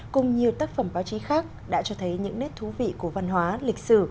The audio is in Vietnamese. cùng nhiều tác phẩm báo chí khác đã cho thấy những nét thú vị của văn hóa lịch sử